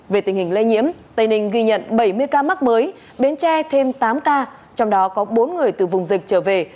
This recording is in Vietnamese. về tình hình lây nhiễm tây ninh ghi nhận bảy mươi ca mắc mới bến tre thêm tám ca trong đó có bốn người từ vùng dịch trở về